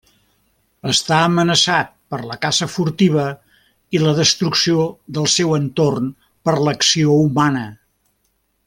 Està amenaçat per la caça furtiva i la destrucció del seu entorn per l'acció humana.